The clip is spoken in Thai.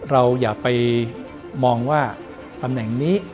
เราอย่าไปมองว่าตำแหน่งนี้